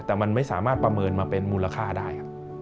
แต่มันไม่สามารถประเมินมาเป็นมูลค่าได้